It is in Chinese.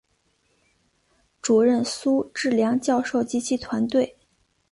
主任苏智良教授及其团队